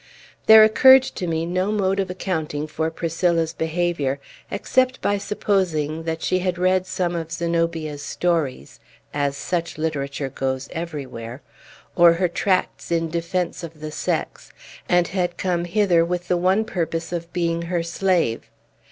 There occurred to me no mode of accounting for Priscilla's behavior, except by supposing that she had read some of Zenobia's stories (as such literature goes everywhere), or her tracts in defence of the sex, and had come hither with the one purpose of being her slave.